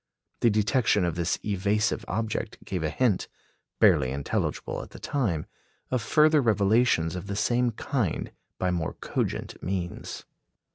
The detection of this evasive object gave a hint, barely intelligible at the time, of further revelations of the same kind by more cogent means.